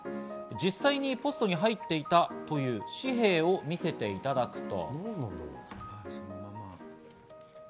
実際にポストに入っていたという紙幣を見せていただくと。